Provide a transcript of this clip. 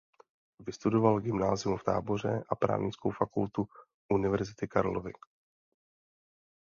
Vystudoval gymnázium v Táboře a Právnickou fakultu Univerzity Karlovy.